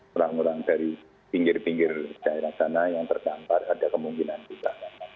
orang orang dari pinggir pinggir daerah sana yang terdampar ada kemungkinan juga